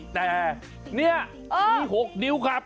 แต่นี่มี๖นิ้วครับ